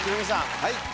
はい。